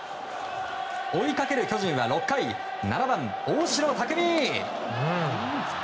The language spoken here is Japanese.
追いかける巨人は６回７番、大城卓三。